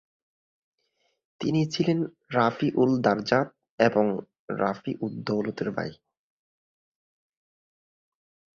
তিনি ছিলেন রাফি উল-দারজাত এবং রাফি উদ-দৌলতের ভাই।